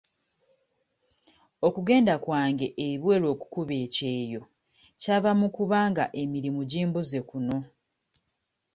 Okugenda kwange ebweru okukuba ekyeyo kyava mu kuba nga emirimu gimbuze kuno.